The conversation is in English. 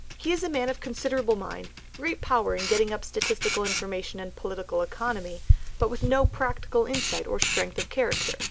"He is a man of considerable mind, great power of getting up statistical information and political economy, but with no practical insight or strength of character.